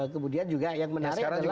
kemudian juga yang menarik adalah